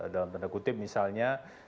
dalam tanda kutip misalnya